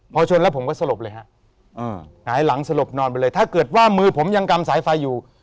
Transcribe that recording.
พอชนแล้วผมก็สลบเลยฮะหงายหลังสลบนอนไปเลยถ้าเกิดว่ามือผมยังกำสายไฟอยู่